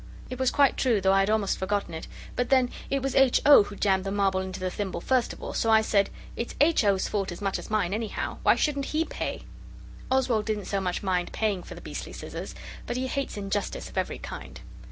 It was quite true, though I had almost forgotten it, but then it was H. O. who jammed the marble into the thimble first of all. So I said 'It's H. O.'s fault as much as mine, anyhow. Why shouldn't he pay?' Oswald didn't so much mind paying for the beastly scissors, but he hates injustice of every kind.